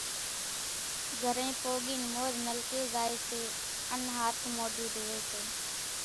گھرين پوڳين مورِ نلڪي زائي سي ان ھاٿ موڍون ڌوئي سي۔